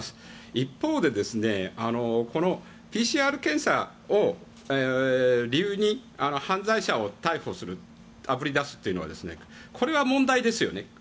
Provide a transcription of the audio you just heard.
一方で、このＰＣＲ検査を理由に犯罪者を逮捕するあぶり出すというのはこれは問題ですよね。